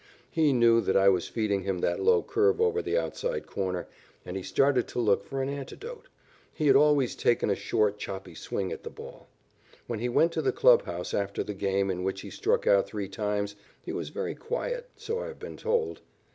He knew that I was feeding him that low curve over the outside corner, and he started to look for an antidote. He had always taken a short, choppy swing at the ball. When he went to the clubhouse after the game in which he struck out three times, he was very quiet, so I have been told.